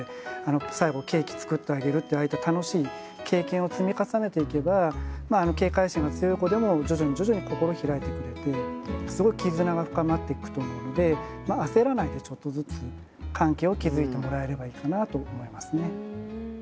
最後ケーキ作ってあげるというああいった楽しい経験を積み重ねていけば警戒心が強い子でも徐々に徐々に心を開いてくれてすごい絆が深まっていくと思うので焦らないでちょっとずつ関係を築いてもらえればいいかなと思いますね。